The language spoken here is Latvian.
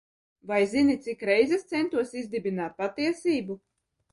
Vai zini, cik reizes, centos izdibināt patiesību?